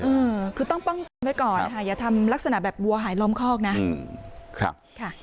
เออคือต้องป้องกันไว้ก่อนค่ะอย่าทำลักษณะแบบวัวหายล้อมคอกนะอืมครับค่ะ